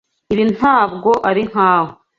Ibi ntabwo ari nkawe.